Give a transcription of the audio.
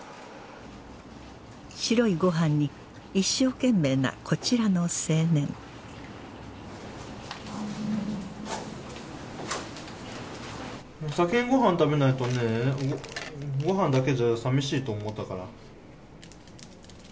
白いご飯に一生懸命なこちらの青年先にご飯食べないとねご飯だけじゃさみしいと思ったから。